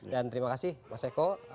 dan terima kasih mas eko